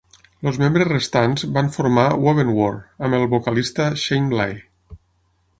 Els membres restants van formar "Wovenwar" amb el vocalista Shane Blay.